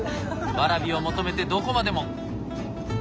ワラビを求めてどこまでも。